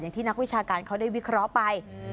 ที่นักวิชาการเขาได้วิเคราะห์ไป